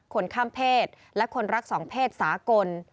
คนข้ามเพศและคนรักสองเพศสากล